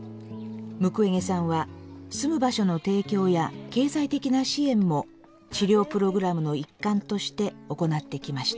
ムクウェゲさんは住む場所の提供や経済的な支援も治療プログラムの一環として行ってきました。